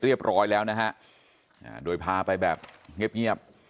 เรียบร้อยแล้วนะครับโดยพาไปแบบเงียบ